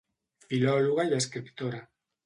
Filòloga i escriptora.